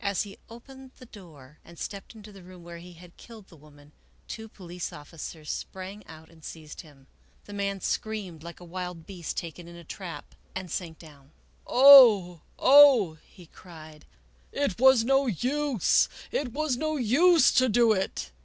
As he opened the door and stepped into the room where he had killed the woman, two police officers sprang out and seized him. The man screamed like a wild beast taken in a trap and sank down. " Oh ! oh !" he cried, " it was no use ! it was no use to do it